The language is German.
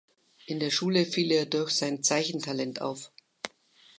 In der Schule fiel er durch sein Zeichentalent auf.